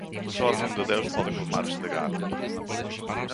Só a acción de Deus pode colmar ese degaro.